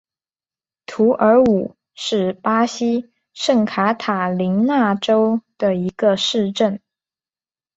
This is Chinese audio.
图尔武是巴西圣卡塔琳娜州的一个市镇。